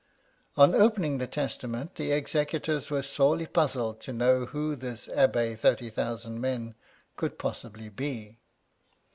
On opening the testament, the executors were sorely puzzled to know who this Abb6 Thirty thousand men could possibly be.